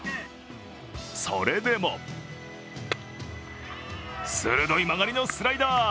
それでも鋭い曲がりのスライダー。